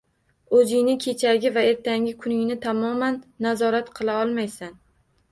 O‘zingni kechagi va ertangi kuningni tamoman nazorat qila olmaysan.